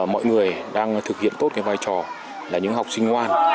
mọi người đang thực hiện tốt cái vai trò là những học sinh ngoan